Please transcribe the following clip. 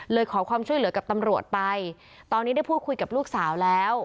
ขอความช่วยเหลือกับตำรวจไปตอนนี้ได้พูดคุยกับลูกสาวแล้ว